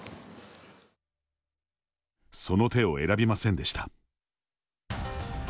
その手を選びませんでした。